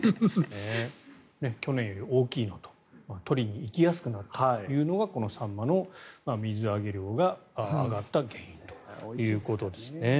去年より大きいのと取りに行きやすくなったというのがこのサンマの水揚げ量が上がった原因ということですね。